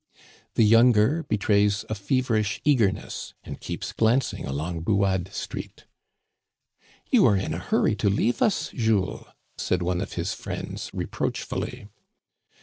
The younger betrays a feverish eagerness, and keeps glancing along Buade Street. " You are in a hurry to leave us, Jules," said one of his friends, reproachfully.